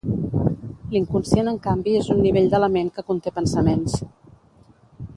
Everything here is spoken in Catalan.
l'inconscient en canvi és un nivell de la ment que conté pensaments